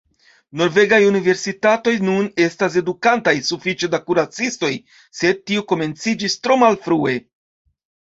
Norvegaj universitatoj nun estas edukantaj sufiĉe da kuracistoj, sed tio komenciĝis tro malfrue.